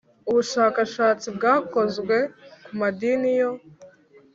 Ubushakashatsi bwakozwe ku madini yo